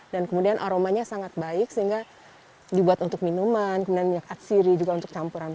dan kemudian aromanya sangat baik sehingga dibuat untuk minuman minyak atsiri juga untuk campuran